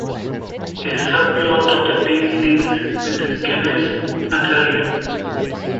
A subplot of the tale deals with Canace and her ring.